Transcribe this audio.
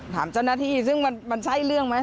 ถามเจ้าหน้าที่ซึ่งมันใช่เรื่องไหม